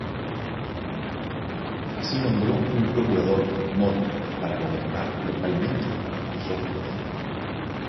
Así, nombró un procurador-mor para gobernar localmente, bajo sus órdenes.